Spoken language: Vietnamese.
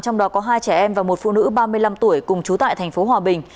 trong đó có hai trẻ em và một phụ nữ ba mươi năm tuổi cùng trú tại thành phố hòa bình